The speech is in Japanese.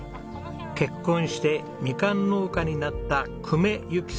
結婚してみかん農家になった久米ゆきさん